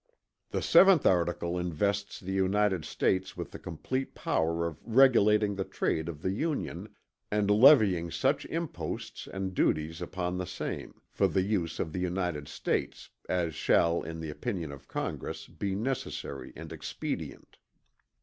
"The 7th article invests the United States with the complete power of regulating the trade of the Union, and levying such imposts and duties upon the same, for the use of the United States, as shall in the opinion of Congress, be necessary and expedient.